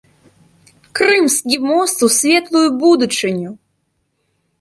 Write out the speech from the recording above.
Крымскі мост у светлую будучыню!